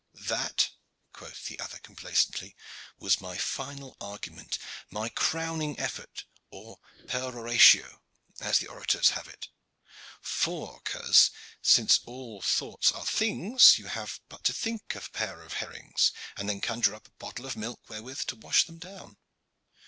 "That," quoth the other complacently, "was my final argument, my crowning effort, or peroratio, as the orators have it. For, coz, since all thoughts are things, you have but to think a pair of herrings, and then conjure up a pottle of milk wherewith to wash them down."